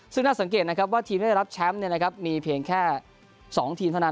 ซึ่งน่าสังเกตนะครับว่าทีมที่ได้รับแชมป์มีเพียงแค่๒ทีมเท่านั้น